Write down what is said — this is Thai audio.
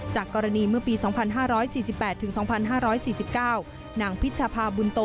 จากกรณีเมื่อปี๒๕๔๘๒๕๔๙นางพิชภาบุญโต